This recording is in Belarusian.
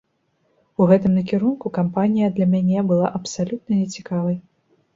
У гэтым накірунку кампанія для мяне была абсалютна нецікавай.